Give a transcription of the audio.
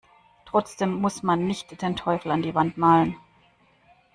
Trotzdem muss man nicht den Teufel an die Wand malen.